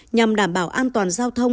nhằm đảm bảo an toàn giao thông